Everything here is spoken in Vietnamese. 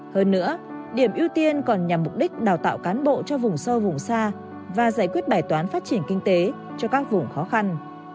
hơn nữa điểm ưu tiên còn nhằm mục đích đào tạo cán bộ cho vùng sâu vùng xa và giải quyết bài toán phát triển kinh tế cho các vùng khó khăn